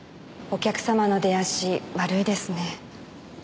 お客様の出足悪いですね。